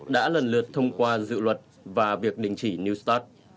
đã lần lượt thông qua dự luật và việc đình chỉ new start